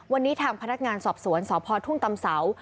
วันนี้ทางพนักงานสอบสวนสพทุ่งตำเสา